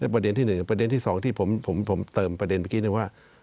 ประเด็นที่๑ประเด็นที่๒ที่ผมเติมประเด็นเมื่อกี้ว่า